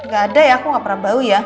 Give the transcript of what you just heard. gak ada ya aku gak pernah bau ya